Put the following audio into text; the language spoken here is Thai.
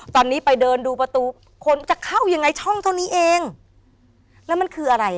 ตอนนี้ไปเดินดูประตูคนจะเข้ายังไงช่องเท่านี้เองแล้วมันคืออะไร